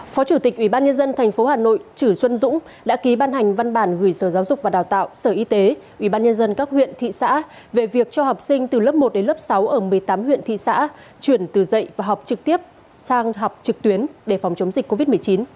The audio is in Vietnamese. phó chủ tịch ubnd tp hà nội chử xuân dũng đã ký ban hành văn bản gửi sở giáo dục và đào tạo sở y tế ubnd các huyện thị xã về việc cho học sinh từ lớp một đến lớp sáu ở một mươi tám huyện thị xã chuyển từ dạy và học trực tiếp sang học trực tuyến để phòng chống dịch covid một mươi chín